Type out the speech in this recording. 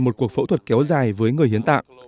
một cuộc phẫu thuật kéo dài với người hiến tạng